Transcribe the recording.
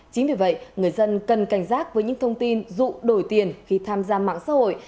chính vì vậy người dân cần cảnh giác với những thông tin dụ đổi tiền khi tham gia mạng xã hội